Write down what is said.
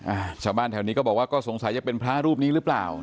อ่าชาวบ้านแถวนี้ก็บอกว่าก็สงสัยจะเป็นพระรูปนี้หรือเปล่า